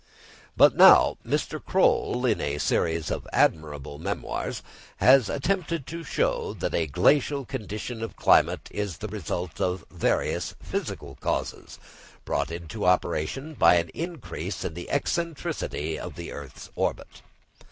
But now, Mr. Croll, in a series of admirable memoirs, has attempted to show that a glacial condition of climate is the result of various physical causes, brought into operation by an increase in the eccentricity of the earth's orbit.